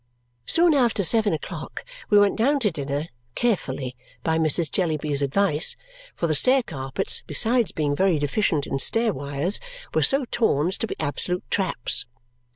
Soon after seven o'clock we went down to dinner, carefully, by Mrs. Jellyby's advice, for the stair carpets, besides being very deficient in stair wires, were so torn as to be absolute traps.